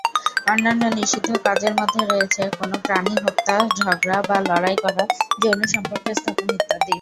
অন্যান্য নিষিদ্ধ কাজের মধ্যে রয়েছে কোনো প্রাণী হত্যা, ঝগড়া বা লড়াই করা, যৌন সম্পর্ক স্থাপন ইত্যাদি।